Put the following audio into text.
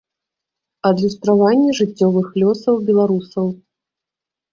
Адлюстраванне жыццёвых лёсаў беларусаў.